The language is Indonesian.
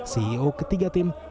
ceo ketiga tim